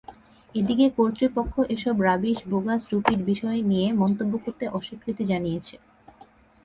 এদিকে কর্তৃপক্ষ এসব রাবিশ, বোগাস, স্টুপিড বিষয় নিয়ে মন্তব্য করতে অস্বীকৃতি জানিয়েছে।